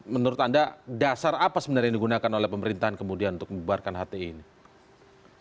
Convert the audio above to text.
menurut anda dasar apa sebenarnya yang digunakan oleh pemerintahan kemudian untuk membuarkan hti ini